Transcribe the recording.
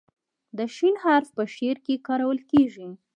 د "ش" حرف په شعر کې کارول کیږي.